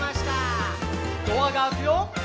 「ドアが開くよ」